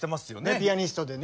ピアニストでね。